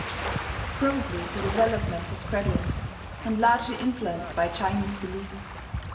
Probably the development was gradual, and largely influenced by Chinese beliefs.